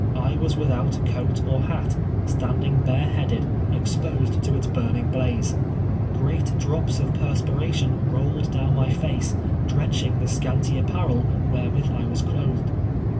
I was without coat or hat, standing bare headed, exposed to its Lui ning hhize. Great drops of perspiration rolled down my face, drenching the scanty apparel wherewith I was clothed.